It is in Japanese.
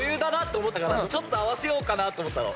ちょっと合わせようかなと思ったの。